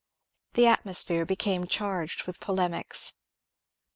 The atmosphere became charged with polemics.